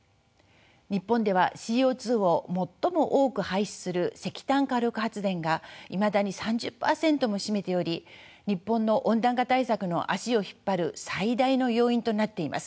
日本ではＣＯ２を最も多く排出する石炭火力発電がいまだに３０％も占めており日本の温暖化対策の足を引っ張る最大の要因となっています。